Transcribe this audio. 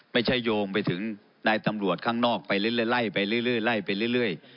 โยงไปถึงนายตำรวจข้างนอกไปเรื่อยไปเรื่อยไล่ไปเรื่อย